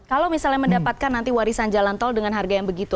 kalau misalnya mendapatkan nanti warisan jalan tol dengan harga yang begitu